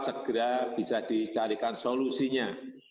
segera bisa dicarikan solusinya